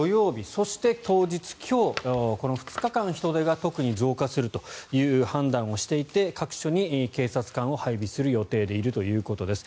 そして、当日の今日この２日間人出が特に増加するという判断をしていて各所に警察官を配備する予定でいるということです。